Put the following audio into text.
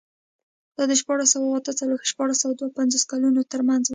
دا د شپاړس سوه اته څلوېښت او شپاړس سوه دوه پنځوس کلونو ترمنځ و.